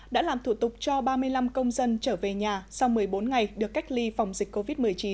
đã làm thủ tục cho ba mươi năm công dân trở về nhà sau một mươi bốn ngày được cách ly phòng dịch covid một mươi chín